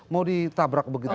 mau ditabrak begitu